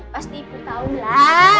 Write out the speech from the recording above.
pasti ibu tahulah